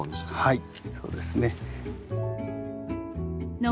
はい。